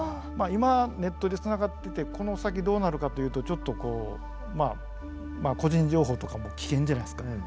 まあ今ネットで繋がっててこの先どうなるかというとちょっとこうまあ個人情報とかも危険じゃないですか。